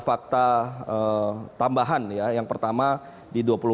jadi kita harus meminta kejaksaan agung untuk melakukan keputusan politik